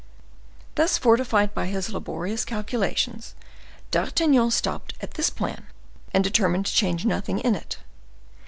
Thus fortified by his laborious calculations, D'Artagnan stopped at this plan, and determined to change nothing in it.